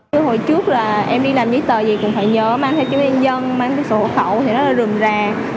hồi trước là em đi làm giấy tờ gì cũng phải nhớ mang theo chứng minh nhân dân mang cái sổ hồ khẩu thì nó rừng ra